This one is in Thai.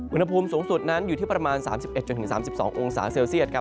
อุณหภูมิสูงสุดนั้นอยู่ที่ประมาณ๓๑๓๒องศาเซลเซียตครับ